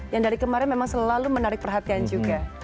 yang dari kemarin memang selalu menarik perhatian juga